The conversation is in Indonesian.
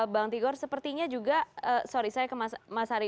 bang tigor sepertinya juga sorry saya ke mas ari